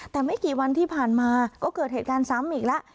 แต่ไม่กี่วันที่ผ่านมาก็เกิดเหตุการณ์ซ้ำอีกแล้ว